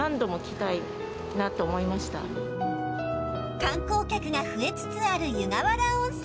観光客が増えつつある湯河原温泉。